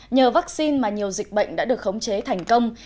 nhờ vaccine mà nhiều dịch bệnh đã được khống chế thành công